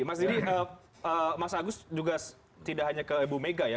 mas didi mas agus juga tidak hanya ke ibu mega ya